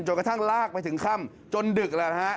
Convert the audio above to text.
กระทั่งลากไปถึงค่ำจนดึกแล้วนะฮะ